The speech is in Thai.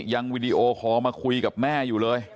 ยังวิดีโอขอมาคุยกับแม่อยู่เลย